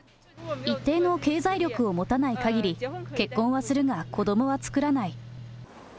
一定の経済力を持たないかぎり、結婚はするが、子どもは作らない。